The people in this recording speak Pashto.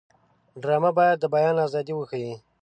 ډرامه باید د بیان ازادي وښيي